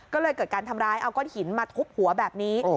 ก็เลยเกิดการทำร้ายเอาก้อนหินมาทุบหัวแบบนี้